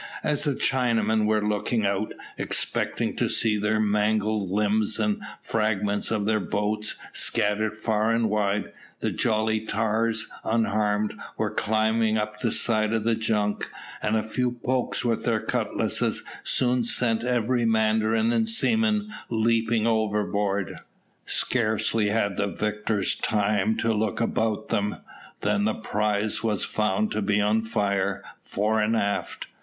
As the Chinamen were looking out, expecting to see their mangled limbs and the fragments of their boats scattered far and wide, the jolly tars, unharmed, were climbing up the side of the junk, and a few pokes with their cutlasses soon sent every mandarin and seaman leaping overboard. Scarcely had the victors time to look about them, than the prize was found to be on fire, fore and aft.